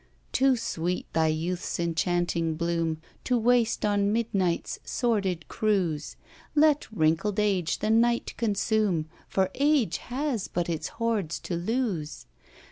Too sweet thy youth's enchanting bloom To waste on midnight's sordid crews: Let wrinkled age the night consume, For age has but its hoards to lose.